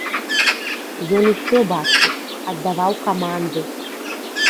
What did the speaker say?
Ён усё бачыў, аддаваў каманды.